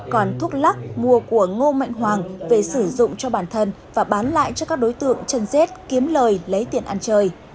còn thuốc lắc mua của ngô mạnh hoàng về sử dụng cho bản thân và bán lại cho các đối tượng chân rết kiếm lời lấy tiền ăn chơi